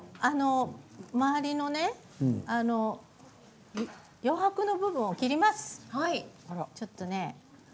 周りの余白の部分を切ります。